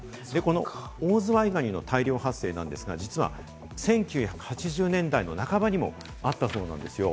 オオズワイガニの大量発生なんですが、実は１９８０年代の半ばにもあったそうなんですよ。